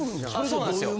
そうなんですよ。